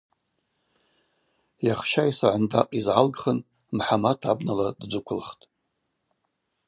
Йахща йсагӏындакъ йызгӏалгхын Мхӏамат абнала дджвыквылхтӏ.